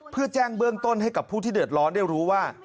เพื่อแจ้งเบื้องต้นให้กับผู้ที่เดือดร้อนได้รู้ว่า